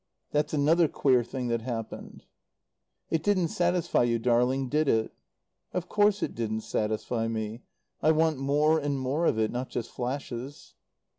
That's another queer thing that happened." "It didn't satisfy you, darling, did it?" "Of course it didn't satisfy me. I want more and more of it. Not just flashes."